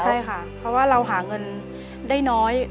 ใช่ค่ะเพราะว่าเราหาเงินได้น้อย